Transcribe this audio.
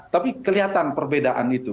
tapi kelihatan perbedaan itu